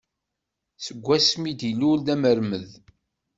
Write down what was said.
Seg wasmi i d-ilul d amermed.